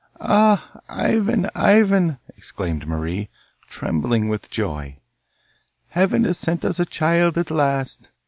'Ah! Ivan, Ivan,' exclaimed Marie, trembling with joy, 'heaven has sent us a child at last!